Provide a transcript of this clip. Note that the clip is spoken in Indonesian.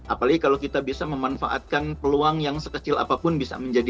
apalagi kalau kita bisa memanfaatkan peluang yang sekecil apapun bisa menjadi